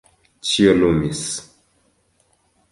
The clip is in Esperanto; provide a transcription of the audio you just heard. Ĉio lumis.